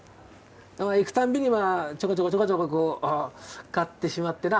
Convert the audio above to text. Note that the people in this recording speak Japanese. だから行くたんびにまあちょこちょこちょこちょここう買ってしまってな。